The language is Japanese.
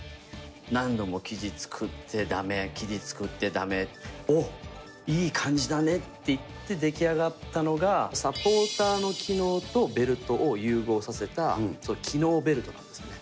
何度も生地作って、だめ、生地作ってだめ、おっ、いい感じだねっていって出来上がったのが、サポーターの機能とベルトを融合させた機能ベルトなんですね。